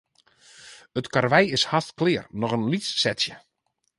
It karwei is hast klear, noch in lyts setsje.